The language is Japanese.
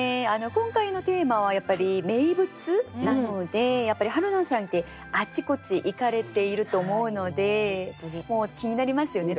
今回のテーマはやっぱり「名物」なのではるなさんってあちこち行かれていると思うのでもう気になりますよね